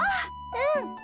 うん。